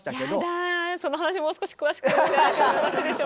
やだぁその話もう少し詳しくお伺いしてもよろしいでしょうか？